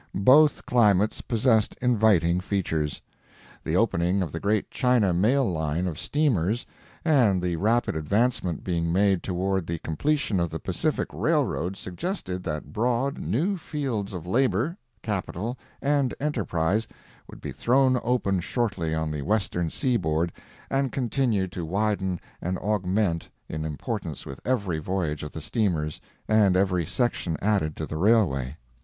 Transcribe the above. Both climates possessed inviting features. The opening of the great China mail line of steamers, and the rapid advancement being made toward the completion of the Pacific rail road suggested that broad, new fields of labor, capital, and enterprise would be thrown open shortly on the Western seaboard and continue to widen and augment in importance with every voyage of the steamers and every section added to the railway.